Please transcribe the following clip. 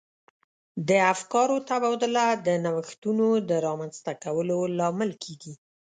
د افکارو تبادله د نوښتونو د رامنځته کولو لامل کیږي.